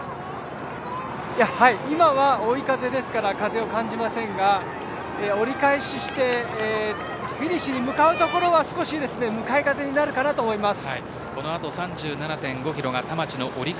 今は追い風ですから風を感じませんが折り返してフィニッシュに向かう所は向かい風になるかなと思います。